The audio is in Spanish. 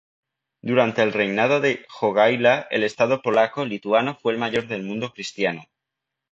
Durante el reinado de Jogaila, el Estado polaco-lituano fue el mayor del mundo cristiano.